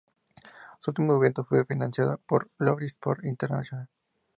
Su último evento fue financiado por Glory Sports International.